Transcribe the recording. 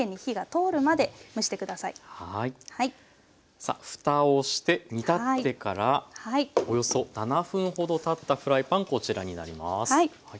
さあふたをして煮立ってからおよそ７分ほどたったフライパンこちらになります。